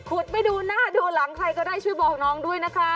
ไม่ดูหน้าดูหลังใครก็ได้ช่วยบอกน้องด้วยนะคะ